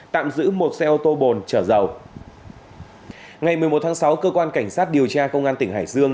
tạm giữ một xe ô tô bồn chở dầu ngày một mươi một tháng sáu cơ quan cảnh sát điều tra công an tỉnh hải dương